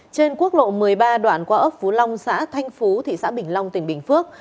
trên quốc lộ một mươi ba đoạn qua ấp phú long xã thanh phú thị xã bình long tỉnh bình phước